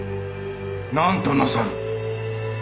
何となさる？